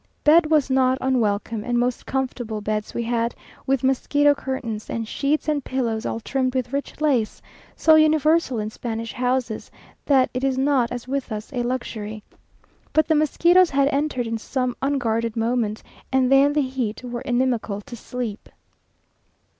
Bed was not unwelcome, and most comfortable beds we had, with mosquito curtains, and sheets and pillows all trimmed with rich lace, so universal in Spanish houses, that it is not, as with us, a luxury. But the mosquitoes had entered in some unguarded moment, and they and the heat were inimical to sleep.